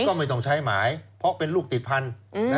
ก็ไม่ต้องใช้หมายเพราะเป็นลูกติดพันธุ์